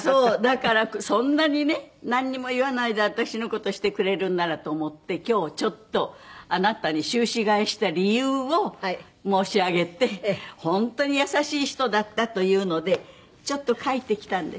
だからそんなにねなんにも言わないで私の事をしてくれるんならと思って今日ちょっとあなたに宗旨変えした理由を申し上げて本当に優しい人だったというのでちょっと書いてきたんです。